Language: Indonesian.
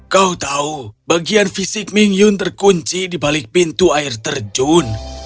kau tahu bagian fisik ming yun terkunci di balik pintu air terjun